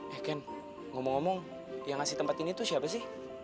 heken ngomong ngomong yang ngasih tempat ini tuh siapa sih